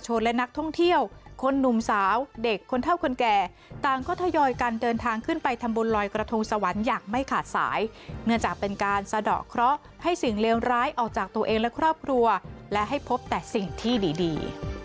สิ่งเลวร้ายออกจากตัวเองและครอบครัวและให้พบแต่สิ่งที่ดี